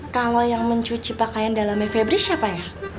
kalau yang mencuci pakaian dalamnya febri siapa ya